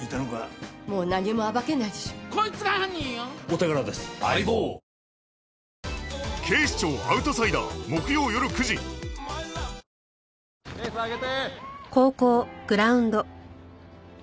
ペース上げて！